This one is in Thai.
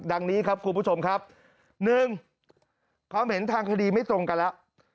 ดังนี้ครับคุณผู้ชมครับ๑ความเห็นทางคดีไม่ตรงกันแล้ว